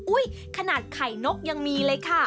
ขนาดไข่นกยังมีเลยค่ะ